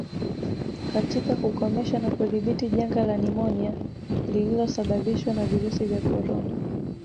katika kukomesha na kudhibiti janga la nimonia lililosababishwa na virusi vya korona